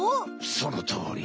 そのとおり！